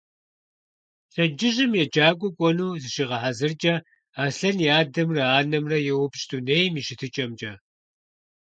Пщэдджыжьым еджакӀуэ кӀуэну зыщигъэхьэзыркӀэ, Аслъэн и адэмрэ анэмрэ йоупщӀ дунейм и щытыкӀэмкӀэ.